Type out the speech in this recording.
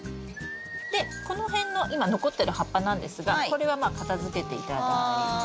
でこの辺の今残ってる葉っぱなんですがこれはまあ片づけて頂いて。